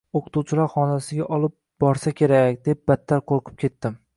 O‘qituvchilar xonasiga olib borsa kerak, deb battar qo‘rqib ketdim.